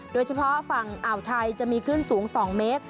โดยเฉพาะฝั่งอ่าวไทยจะมีคลื่นสูง๒เมตร